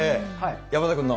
山田君の。